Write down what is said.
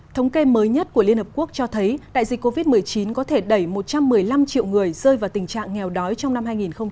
thống kê mới nhất của liên hợp quốc cho thấy đại dịch covid một mươi chín có thể đẩy một trăm một mươi năm triệu người rơi vào tình trạng nghèo đói trong năm hai nghìn hai mươi